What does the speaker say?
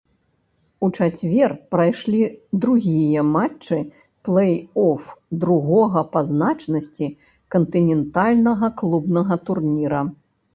У чацвер прайшлі другія матчы плэй-оф другога па значнасці кантынентальнага клубнага турніра.